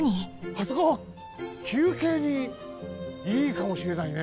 あそこきゅうけいにいいかもしれないね。